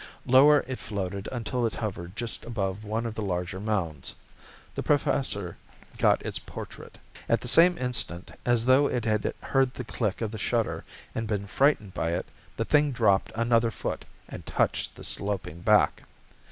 Lower it floated until it hovered just above one of the larger mounds. The Professor got its portrait. At the same instant, as though it had heard the click of the shutter and been frightened by it, the thing dropped another foot and touched the sloping back.